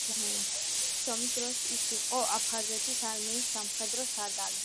აფხაზეთის ომის დროს ის იყო აფხაზეთის არმიის სამხედრო სარდალი.